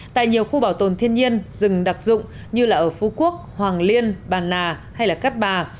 tại nhiều khu bảo tồn thiên nhiên rừng đặc dụng như ở phú quốc hoàng liên bàn nà hay cát bà